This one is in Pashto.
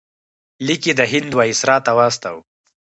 لیک یې د هند وایسرا ته واستاوه.